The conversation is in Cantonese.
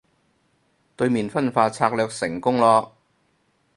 對面分化策略成功囉